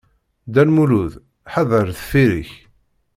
Dda Lmulud, ḥader deffir-k!